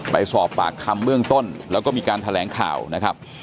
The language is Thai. ไปสอบปากคำเบื้องต้นแล้วก็มีการแถลงข่าวนะครับ